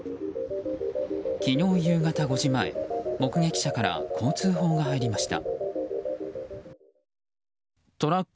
昨日、夕方５時前目撃者からこう通報が入りました。